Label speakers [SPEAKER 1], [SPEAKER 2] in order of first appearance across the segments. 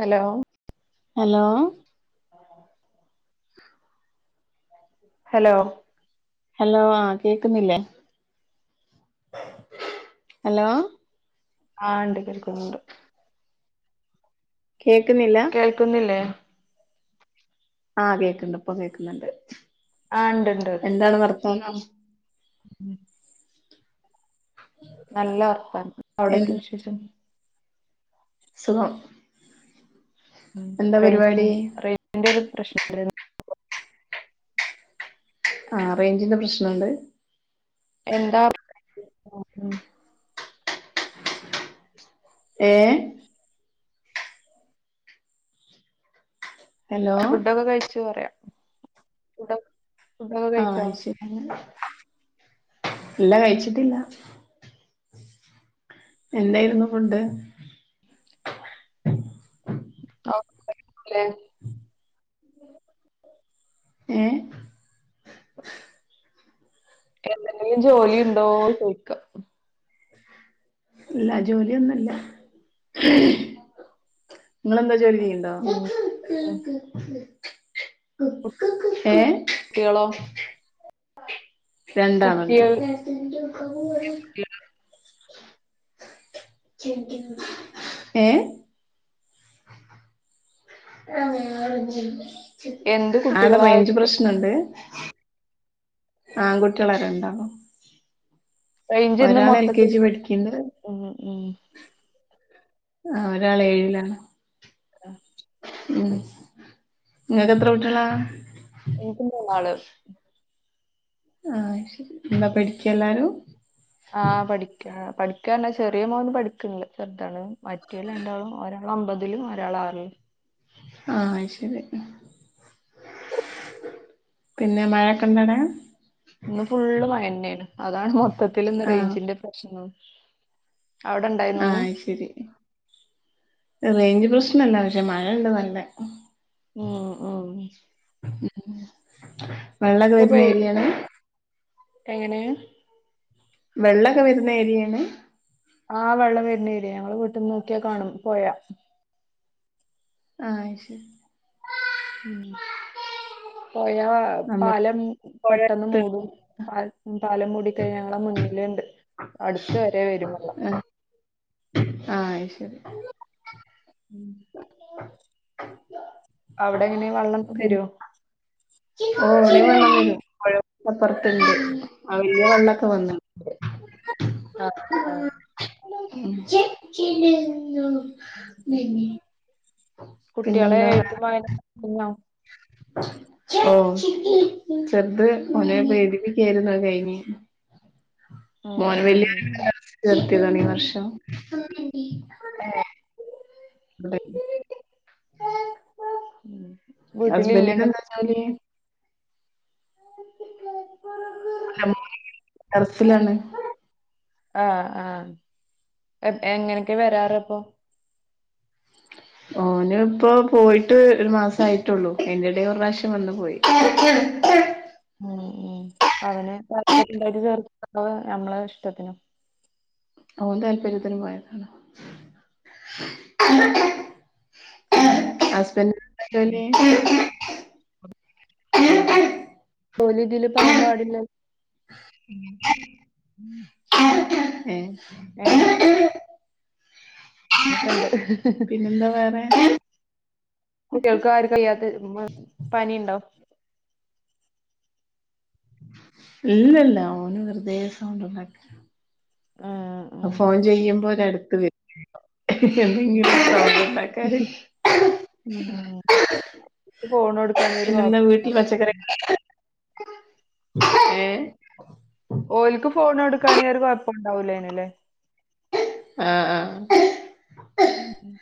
[SPEAKER 1] Hello
[SPEAKER 2] hello
[SPEAKER 1] hello
[SPEAKER 2] hello ആഹ് കേക്കുന്നില്ലേ hello
[SPEAKER 1] ആഹ് ഇണ്ട് കേൾക്കുന്നുണ്ട്
[SPEAKER 2] കേൾക്കുന്നില്ലാ
[SPEAKER 1] കേൾക്കുന്നില്ലേ?
[SPEAKER 2] ആഹ് കേക്കിണ്ട് ഇപ്പൊ കേക്കുന്നുണ്ട്.
[SPEAKER 1] ആഹ് ഉണ്ടുണ്ട്
[SPEAKER 2] എന്താണ് വർത്താനം?
[SPEAKER 1] ഉം നല്ല വർത്താനം
[SPEAKER 2] എ
[SPEAKER 1] അവിടൊക്കെ വിശേഷം
[SPEAKER 2] സുഖം
[SPEAKER 1] ഉം
[SPEAKER 2] എന്താ
[SPEAKER 1] റൈഞ്ചിന്റെ
[SPEAKER 2] പരിപാടി
[SPEAKER 1] റൈഞ്ചിന്റെ ഒരു പ്രശ്നണ്ട്
[SPEAKER 2] ആ റേഞ്ചിന്റെ പ്രശ്നണ്ട്
[SPEAKER 1] എന്താ
[SPEAKER 2] ഏഹ് ഹലോ
[SPEAKER 1] ഫുഡൊക്കെ കഴിച്ചു പറയാ. ഫുഡ് ഫുഡൊക്കെ
[SPEAKER 2] ആഹ്
[SPEAKER 1] കഴിച്ചോ
[SPEAKER 2] അയ് ശരി. ഇല്ല കഴിച്ചിട്ടില്ല. എന്തായിരുന്നു ഫുഡ്ഡ്.
[SPEAKER 1] [unintelligible]
[SPEAKER 2] ഏഹ്
[SPEAKER 1] എന്തെങ്കിലും ജോലി ഉണ്ടോ ചോയ്ക്ക.
[SPEAKER 2] ഇല്ല ജോലിയൊന്നുല്ല ഇങ്ങെളെന്താ ജോലി ചെയ്യു ലൊ
[SPEAKER 1] ഉം ഉം.
[SPEAKER 2] എഹ്
[SPEAKER 1] ട്ട്യേളോ
[SPEAKER 2] രണ്ടാള്ണ്ട്. ഏഹ്
[SPEAKER 1] എന്ത്
[SPEAKER 2] ആട
[SPEAKER 1] കുട്ടികളാ
[SPEAKER 2] റൈഞ്ച്
[SPEAKER 1] ചോദിക്കാം.
[SPEAKER 2] പ്രശ്നണ്ട്. ആൺകുട്ട്യേള രണ്ടാളും.
[SPEAKER 1] റേഞ്ച് ഇന്ന്
[SPEAKER 2] ഒരാള് എൽ കെ
[SPEAKER 1] മൊത്തത്തിൽ
[SPEAKER 2] ജി പഠിക്ക്ണ്ട്.
[SPEAKER 1] ഉം ഉം
[SPEAKER 2] ആ ഒരാള് ഏഴിലാണ്.
[SPEAKER 1] ആഹ്
[SPEAKER 2] ഉം ഇങ്ങക്ക് എത്ര കുട്ട്യേളാ
[SPEAKER 1] എനിക്ക് മൂന്നാള്.
[SPEAKER 2] ആഹ് അത് ശരി. എന്താ പഠിക്ക എല്ലാരും.
[SPEAKER 1] ആ പഠിക്കാ. പഠിക്കാറ്ന്ന ചെറിയ മോന് പഠിക്കുന്നില്ല. ചെറുതാണ് മാറ്റോല് രണ്ടാളും ഓര ഒമ്പതിലും ഒരാള് ആറിലും.
[SPEAKER 2] ആഹ് ശെരി പിന്നെ മഴൊക്കെ ഇണ്ടൊ ഔടെ.
[SPEAKER 1] ഇന്ന് ഫുള്ള് മയന്നേനു. അതാണ് മൊത്തത്തില് ഇന്ന്
[SPEAKER 2] ആഹ്
[SPEAKER 1] റേയ്ഞ്ചിന്റെ പ്രശ്നം അവിടെ ഇണ്ടായിന്നോ ഇന്ന്
[SPEAKER 2] ആഹ് ശെരി. റേയ്ഞ്ച് പ്രശ്നല്ല. പക്ഷെ മഴ ഇണ്ട് നല്ല.
[SPEAKER 1] ഉം ഉം
[SPEAKER 2] ഉം
[SPEAKER 1] ഇ [unintelligible] എങ്ങനെ
[SPEAKER 2] വെള്ളൊക്കെ വരുന്ന ഏരിയേണ്.
[SPEAKER 1] ആഹ് വെള്ളം വരുന്നേര്യ. ഞങ്ങളെ വീട്ട്ന്ന് നോക്ക്യാ കാണും പൊഴ
[SPEAKER 2] ആഹ് ശെരി
[SPEAKER 1] ഉം പൊഴാ
[SPEAKER 2] നമ്മ
[SPEAKER 1] പാലം
[SPEAKER 2] പൊഴ
[SPEAKER 1] പെട്ടെന്ന്
[SPEAKER 2] അടുത്ത്
[SPEAKER 1] മൂടും. പ പാലം മൂടിക്കഴിഞ്ഞ ഞങ്ങളെ മുന്നില്ണ്ട്. അടുത്ത് വരെ വെരും വെള്ളം.
[SPEAKER 2] ആഹ് ആഹ് അത് ശരി.
[SPEAKER 1] ഉം അവിടെ എങ്ങനെ വെള്ളം
[SPEAKER 2] പിന്നെ
[SPEAKER 1] വെര്വാ.
[SPEAKER 2] ഓ ഇവിടിം വെള്ളം വെരും. പൊഴ അപ്പറ്ത്ത്ണ്ട്. ആ വെല്യ വെള്ളൊക്കെ വന്ന്.
[SPEAKER 1] ആഹ്
[SPEAKER 2] ച [unintelligible] പിന്നെന്താ.
[SPEAKER 1] പിന്നൊ [unintelligible]
[SPEAKER 2] ഓ ചെറ്ത് ഓ [unintelligible] നെ പീ ഡിഗ്രി ആയിര്ന്ന്. അത് കഴിഞ്ഞ്
[SPEAKER 1] ഉം ഉം
[SPEAKER 2] വല്യ മോനെ ദർസിൽ ചേർത്തിയതാണ് ഈ വർഷം.
[SPEAKER 1] ഏ ഹ
[SPEAKER 2] അ [unintelligible] ഇവിടെ ഇന്ന്
[SPEAKER 1] [unintelligible]
[SPEAKER 2] ഹസ്ബൻ്റിന്
[SPEAKER 1] വീട്ടിലില്ലുണ്ട്
[SPEAKER 2] എന്താ ജോലി.
[SPEAKER 1] [inaudible]
[SPEAKER 2] ദർസിലാണ്.
[SPEAKER 1] ആഹ ആഹ എങ്ങനൊയൊക്കെ വെരാറ്അപ്പോ
[SPEAKER 2] ഓന് ഇപ്പോ പോയിട്ട് ഒരു മാസയിട്ടോള്ളൂ അതിന്റെടയിൽഒരു പ്രാവിശ്യം വന്നു പോയി.
[SPEAKER 1] ഉം ഉം അവന് താൽപര്യം ഇടയിട്ട് ചേർത തണോ നമ്മളെ ഇഷ്ടത്തിനോ.
[SPEAKER 2] ഓൻ താല്പര്യത്തിന് പോയതാണ്.
[SPEAKER 1] ആഹ്
[SPEAKER 2] ഹസ്ബന്റ്ന് എന്താ ജോലി.
[SPEAKER 1] അങ്ങനെ ജോലി ഇതില് പറയാൻ പാടില്ല. ഏ
[SPEAKER 2] ഏ
[SPEAKER 1] അങ്ങനെയൊക്കെ ഉണ്ട്
[SPEAKER 2] പിന്നെന്താ വേറെ
[SPEAKER 1] കുട്ടികൾക്ക് ആരക വൊയ്യാത്ത പനിയിണ്ടോ?
[SPEAKER 2] ഇല്ല ഇല്ല ഓന് വെറുതെ സൗണ്ട്ണ്ടാക്ക
[SPEAKER 1] ആഹ്
[SPEAKER 2] ഫോൺ ചെയ്യുമ്പോ ഒര് അടുത്ത് വരും വോകം. ഇതിങ്ങനെ സൗണ്ട് ഉണ്ടാക്കുക
[SPEAKER 1] ഉം ഉം ഫോൺ കൊടുക്കാണെങ്കി ഒരു
[SPEAKER 2] പിന്നെ എന്താ
[SPEAKER 1] കുഴപ്പം
[SPEAKER 2] വീട്ടില് പച്ചക്കറി ഏ
[SPEAKER 1] ഓല്ക്ക് ഫോൺ കൊടുക്കാണെങ്കിൽ ഒരു കൊഴപ്പം ഉണ്ടാവൂലേന്ല്ലേ
[SPEAKER 2] ആഹ് ആഹ്
[SPEAKER 1] ഉം ഉം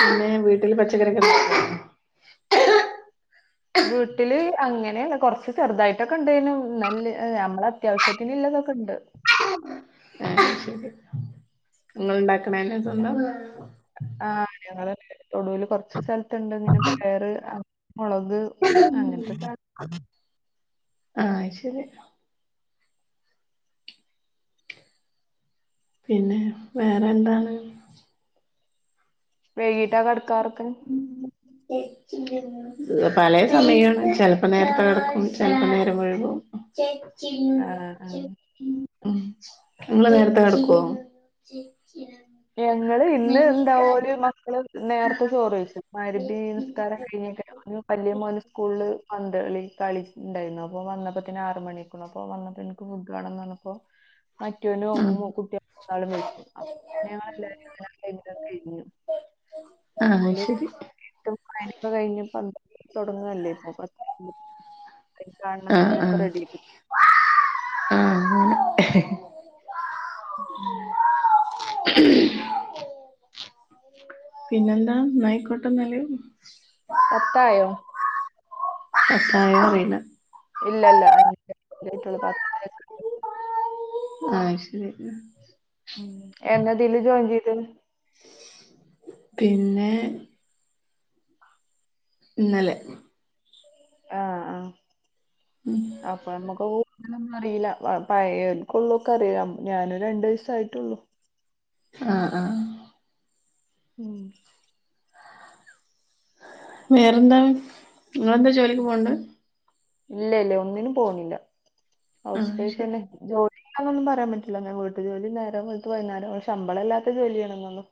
[SPEAKER 2] പിന്നെ വീട്ടില് പച്ചക്കറിയൊക്കെ ഉണ്ടാക്കാറുണ്ടോ?
[SPEAKER 1] വീട്ടില് അങ്ങനെയല്ല കൊറച്ച് ചെറുതായിട്ടൊക്കെ ഉണ്ടാനും നല്ല നമ്മളെ അത്യാവിശ്യത്തിനുള്ളതൊക്കെ ഉണ്ട്.
[SPEAKER 2] ഇങ്ങള് ഉണ്ടാക്ക്ണെൻ്റെ തോന്നണേ
[SPEAKER 1] ആഹ ഞങ്ങള് തൊടുല് കൊറച്ച് സ്ഥലത്തുണ്ട് ഇങ്ങനെ പയർ, മുളക്. അങ്ങനത്തെ സാധനം
[SPEAKER 2] ആഹ അത്ശരി പിന്നെ വേറെ എന്താണ്.
[SPEAKER 1] വൈകിട്ട് കിടക്കാറൊക്കെ
[SPEAKER 2] [unintelligible] പലെ സമയാണ് ചെലപ്പോ നേരത്തെ കിടക്കും ചെലപ്പോ നേരം വൈകും.
[SPEAKER 1] ആ ആ
[SPEAKER 2] നിങ്ങള് നേരത്തെ കിടക്കുവോ? [unintelligible]
[SPEAKER 1] ഞങ്ങള് ഇന്ന് എന്താ ഓര് മക്കള് നേരത്തെ ചോറ് കഴിച്ചു മഗ്രിബ് നിസ്കാരം കഴിഞ്ഞിട്ട് ഞാനും വല്ല്യ മോന് സ്കൂളില് പന്ത് കളി കളി യിണ്ടായിരുന്നു. അപ്പോൾ വന്നപ്പോത്തിന്ന് ആറ് മണി. കുഞ്ഞപ്പൻ വന്നപ്പോ എനിക്ക് ഫുഡ് വേണം പറഞ്ഞപ്പോ മറ്റോന്നും ഒക്കും കുട്ടിള് മൂന്നാളും കഴിച്ചു. ഞങ്ങള് എല്ലരും [unintelligible] കഴിഞ്ഞു
[SPEAKER 2] ആഹ് ആഹ്
[SPEAKER 1] ഓല്
[SPEAKER 2] ശരി
[SPEAKER 1] എഴുതും വായനയൊക്കെ കഴിഞ്ഞ് തുടങ്ങല്ലേ ഇപം പത്തു മണിക്ക് അളി കാണണം പറഞ്ഞ് ഒക്കെ റെഡിയിക്ണ്.
[SPEAKER 2] ആ അങ്ങനെ
[SPEAKER 1] ഉം
[SPEAKER 2] ഉം പിന്നെന്താ ന്നായിക്കോട്ടന്നല്ല്
[SPEAKER 1] പത്തായോ
[SPEAKER 2] പത്തായോ അറിയൂല
[SPEAKER 1] ഇല്ലല്ല [unintelligible]
[SPEAKER 2] ആഹ് ശരി
[SPEAKER 1] ഉം എന്നതില് ജോയിൻ ചെയ്ത്ണ്
[SPEAKER 2] പിന്നെ ഇന്നലെ
[SPEAKER 1] ആഹ് ആഹ്
[SPEAKER 2] ഉം
[SPEAKER 1] അപ്പമ്മക്ക് [inaudible] മ്മൾഅറീല പയോര് ക്കൊള്ളക്കറിയാ ഞാന് രണ്ടീസായിട്ടൊള്ളൂ
[SPEAKER 2] ആഹ് ആഹ്
[SPEAKER 1] ഉം
[SPEAKER 2] വേറെന്താണ് ങ്ങെളെന്താ ജോലിക്ക്പോണ്ട്
[SPEAKER 1] ഇല്ലെല്ലെ ഒന്നിനും പോണില്ല ഹൗസ്
[SPEAKER 2] ആഹ്
[SPEAKER 1] വൈഫ്
[SPEAKER 2] ശരി
[SPEAKER 1] ന്നെ ജോ അതൊന്നും പറ്യാംപറ്റില്ല ന്നെ വീട്ട്ജോലി നേരം വെള്ത്ത് വൈന്നാരം ശമ്പളല്ലാത്ത ജോലിയാണ്ന്നൊള്ളു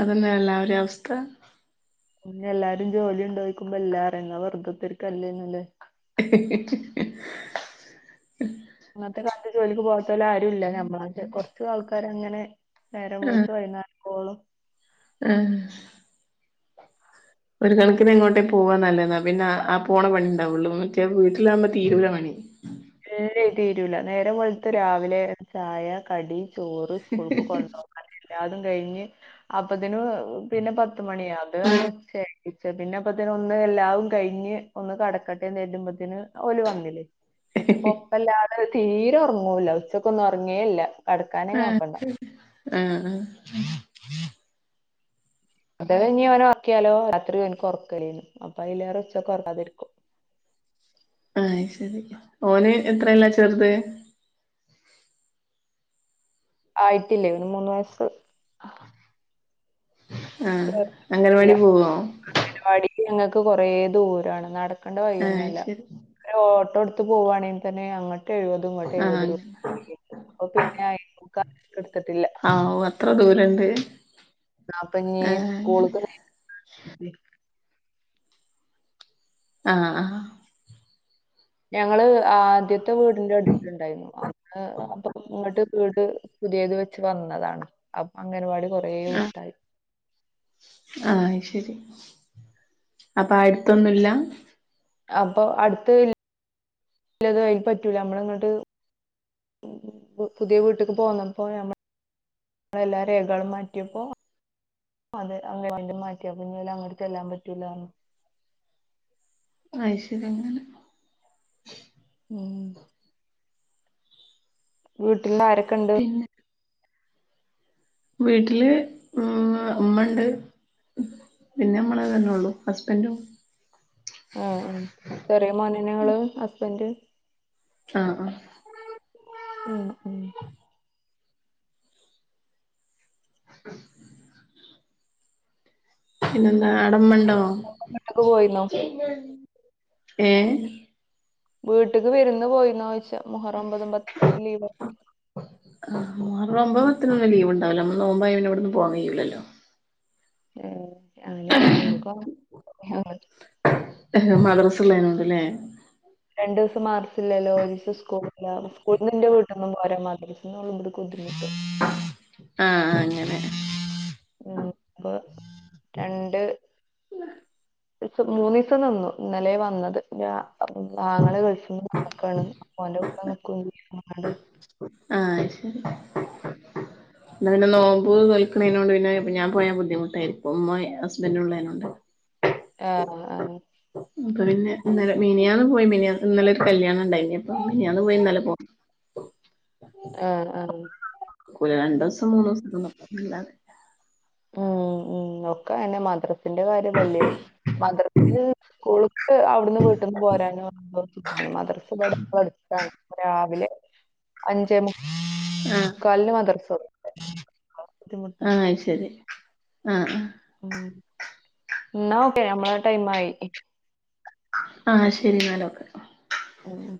[SPEAKER 2] അതന്നെ എല്ലാ വരിംഅവസ്ഥ
[SPEAKER 1] ഞ്ഞില്ലാരും ജോലി ണ്ടോയിക്കുമ്പോ ല്ലാറ്യണ്ട വെറ്തത്തെർക്കല്ലേന്നല്ലേ
[SPEAKER 2] ഹിഹിഹി ഹെ
[SPEAKER 1] ഇന്നത്തെ കാലത്ത് ജോലിക്ക് പോവത്തോലാരൂല്ല ഞമ്മള റ്റെ കൊറ്ച് ആൾക്കാരങ്ങനെ ന്നേരം വെള്ത്ത് വൈന്നാരാവോളും
[SPEAKER 2] എഹ് ഒര്കൺക്ക്നങ്ങോട്ടേ പോവാന്നല്ലെന്നാപിന്നെ ആ ആപോണ പണിണ്ടാവുള്ളൂ മറ്റേ വീട്ടിലാവുമ്പോ തീരൂലാപണി
[SPEAKER 1] ഇല്ലേ തീരൂല ന്നേരം വെള്ത്ത് രാവിലെ ചായ കടി ചോറ് സ്കൂൾക്ക് കൊണ്ടോ അതെല്ലാതും കഴിഞ്ഞ് അപ്പത്തിന് പിന്നെ പത്തുമണിയാ
[SPEAKER 2] ആഹ്
[SPEAKER 1] അത്ർൺഉച്ചെ ച്ച പിന്നെ പ്പത്തിനൊന്ന് എല്ലാവും കഴിഞ്ഞ് ഒന്ന് കടക്കട്ടേന്നേര്തുമ്പത്ത്ന് ഓല് വന്നിലെ ഇപ്പൊപ്പല്ലാതെ തീരൊർങ്ങൂല ഉച്ചക്കന്നും ഒർങ്ങേല്ല
[SPEAKER 2] ആഹ് ആഹ്ആഹ്
[SPEAKER 1] അതവെ ഞ്ഞി ഓനൊർക്യാലോ രാത്രി ന്ക്ക് ഒറ്ക്കല്അപ്പ അയ്ലാറെ ഉച്ചക്കൊറ്ക്കാതിരിക്കും
[SPEAKER 2] ആഹ്ശരി ഓന് എത്രേലാ ചെറ്ത്
[SPEAKER 1] ആയ്ട്ടില്ലെ മൂന്ന് വയസ്സ്
[SPEAKER 2] ആഹ് അങ്കൽവാടി പോവോ
[SPEAKER 1] അങനവാടിക്ക് ഞങ്ങൾക്ക് കൊറേ ദൂരാണ് നടക്കണ്ട
[SPEAKER 2] ആഹ്
[SPEAKER 1] വയ്യൊന്നൊല്ല
[SPEAKER 2] ശരി
[SPEAKER 1] എഹ് ഓട്ടോട്ത്ത് പോവാണെങ്കി തന്നെ അങ്ങട്ടയ് വെ തും ങ്ങട്ടെയ് വത്
[SPEAKER 2] ആഹ്
[SPEAKER 1] രൂ [unintelligible] ഓപിന്നെ [unintelligible] ട്ത്തിട്ടില്ല
[SPEAKER 2] ഇത്ര ദൂരണ്ട്
[SPEAKER 1] ന്നാപ്പഞ്
[SPEAKER 2] ആ അങ്ങനെ
[SPEAKER 1] സ്കൂള്ക്ക് [unintelligible]
[SPEAKER 2] ആഹ് ആഹ്
[SPEAKER 1] ഞങ്ങള് ആദ്യത്തെ വീട്ന്റ ട്ത്ത്ണ്ടായിന്നു അ [unintelligible] ങ്ങട്ട് വീട് പുതിയത് വെച്ച് വന്നതാണ് അപ്പ അംഗൻവാടി കൊർ യേവ്ട്ടായി
[SPEAKER 2] ആഹ് ശെരി അപ്പാട്ത്തൊന്നുല്ല
[SPEAKER 1] അപ്പൊ അടുത്ത് ഇ ഇല്ലത് അയ് പറ്റൂലാ അമ്മള് ങ്ങട്ട് ഉം പുതിയ വീട്ട്ക്ക് പോന്ന പ്പോയമ്മ നിങ്ങളെ എല്ലാ രേഖളും മാറ്റിയപ്പോ അതെ അ [unintelligible] മാറ്റിയ പ്പംഇനി ഓലങ്ങട്ട് ചെല്ലണ്ടാർഞ്ഞു
[SPEAKER 2] അയ്ശരി അങ്ങനെ
[SPEAKER 1] ഉമ് വീട്ട്ന്നാരെക്കെണ്ട്
[SPEAKER 2] പിന്നെ വീട്ടില് ഇമ്മ ഇമ്മണ്ട് പിന്നെ മ്മള് തന്നെള്ളൂ ഹസ്ബൻന്റും
[SPEAKER 1] ആ ഹും ചെറീമോനെന്നെ ങ്ങൾ ഹസ്ബന്റ്
[SPEAKER 2] ആഹ് ആഹ്
[SPEAKER 1] ഉമ്ഉം
[SPEAKER 2] [inaudible] പിന്നെന്താ ആടമണ്ടോ
[SPEAKER 1] വീട്ട്ക്ക് പോയിന്നോ
[SPEAKER 2] ഏ
[SPEAKER 1] വീട്ട്ക്ക് വിര്ന്ന് പോയീന്നോയ്ച്ച മുഹറം ഒമ്പതും പത്തക്കായിട്ട് ലീവ്
[SPEAKER 2] മുഹറം ഒമ്പത് പത്തിനൊന്നും ലീവുണ്ടാവില്ല നമ്മള് നോമ്പായത് കൊണ്ട് ഇവിടന്ന് പോവാൻ കഴ്യൂല്ലല്ലോ.
[SPEAKER 1] ഏ അഞ്നെ ഞമ്മുക്ക് [unintelligible]
[SPEAKER 2] മദ്രസ ഉള്ള നെ ണ്ട് അല്ലേ
[SPEAKER 1] രണ്ടു ദിവസം മാർസില്ലല്ലോ ഒരു ദിസം സ്കൂളില്ല സ്കൂൾ നിന്റെ വീട്ടൊന്നും പോരാ മാതിരി [unintelligible]
[SPEAKER 2] അഹ് അ അങ്ങനെ
[SPEAKER 1] ങ് ഇപ്പ രണ്ട് [unintelligible] മൂന്ന് ദിസം നിന്നു ഇന്നലെയ വന്നത് ര അപ്പോ ആങ്ങള ഗൾഫിന്ന് വന്ന്ക്കാണ് [unintelligible]
[SPEAKER 2] ആഹ് ശരി
[SPEAKER 1] [inaudible]
[SPEAKER 2] എന്താ പിന്നെ നോമ്പ് നോൽക്കണതിനോണ്ട് പിന്നെ ഞാൻ പോയാ ബുദ്ധിമുട്ടായിരിക്ക ഉമ്മ ഹസ്ബൻഡ ഉള്ളതിനുണ്ടോ.
[SPEAKER 1] ആഹ് ആഹ്
[SPEAKER 2] അപ്പൊ പിന്നെ ഇന്നലെ മിനിയാന്ന് പോയി മിനിയ ഇന്നലൊരു കല്യാണം ഉണ്ടായിനി അപ്പൊ മിനിയാന്ന് പോയി ഇന്നലെ പോന്ന്.
[SPEAKER 1] ആഹ് ആ
[SPEAKER 2] നിക്കൂലാ രണ്ട് ദിസം മൂന്ന് ദിസൊന്നും നിർത്തത്തില്ല.
[SPEAKER 1] ഉം ഉ ഓക്ക് അതന്നെ മദ്രാസിൻ്റെ കാര്യം വല്യ മദ്രസിന് സ്കൂൾക്ക് അവിടുന്ന് വീട്ടിൽന്ന് പോരാനും എളുപ്പാ മദ്രാസ് ഇവിടെ അടുത്താ രാവിലെ അഞ്ചേ
[SPEAKER 2] ആഹ്
[SPEAKER 1] മുക്കാലിന് മദർസ തുടങ്ങും [unintelligible]
[SPEAKER 2] അഹ് ശരി ആഹ് ആ
[SPEAKER 1] ഉം എന്നാ ഓക്കെ നമ്മളെ ആ ടൈം ആയി
[SPEAKER 2] ആഹ് ശരി എന്നാലോക്കെ.
[SPEAKER 1] ഉം ഉം